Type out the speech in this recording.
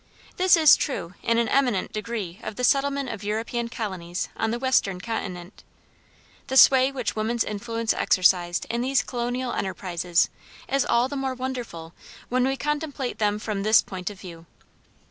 This is true in an eminent degree of the settlement of European colonies on the western continent. The sway which woman's influence exercised in these colonial enterprises is all the more wonderful when we contemplate them from this point of view.